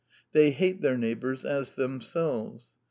They hate their neighbors as themselves.